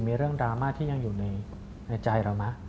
มีเรื่องดราม่าที่ยังอยู่ในใจเราไหม